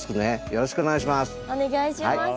よろしくお願いします。